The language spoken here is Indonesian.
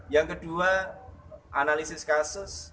yang kedua analisis kasus